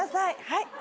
はい。